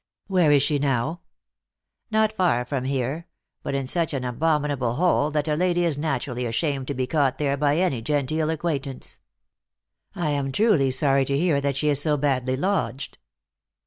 " Where is she now ?"" Not far from here but in such an abominable hole, that a lady is naturally ashamed to be caught there by any genteel acquaintance." 68 THE ACTRESS IN HIGH LIFE. " I am truly sorry to hear that she is so badly lodged."